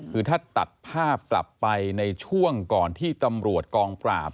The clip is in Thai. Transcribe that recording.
คือถ้าตัดภาพกลับไปในช่วงก่อนที่ตำรวจกองปราบ